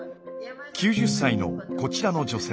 ９０歳のこちらの女性。